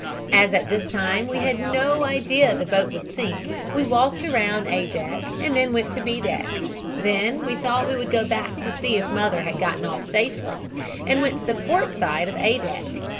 As at this time we had no idea the boat would sink we walked around A deck and then went to B deck. Then we thought we would go back to see if mother had gotten off safely, and went to the port side of A deck.